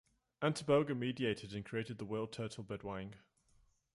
Antaboga meditated and created the world turtle Bedwang.